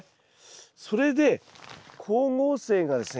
それで光合成がですね